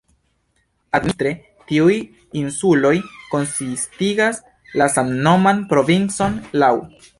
Administre tiuj insuloj konsistigas la samnoman provincon "Lau".